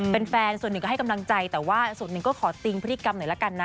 เป็นแฟนส่วนหนึ่งก็ให้กำลังใจแต่ว่าส่วนหนึ่งก็ขอติ้งพฤติกรรมหน่อยละกันนะ